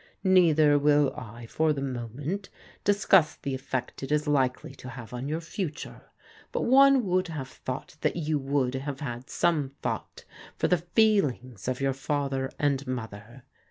Neither will I, for the moment, discuss the effect it is likely to have on your future; but one would have thought that you would have had some thought for the feelings of your father and mother.